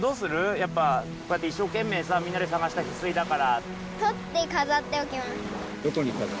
やっぱこうやって一生懸命さみんなで探したヒスイだから。